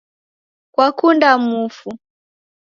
Kwakunda mufu?